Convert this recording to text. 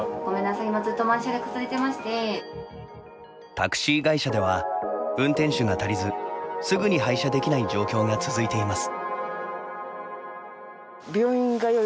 タクシー会社では運転手が足りずすぐに配車できない状況が続いています。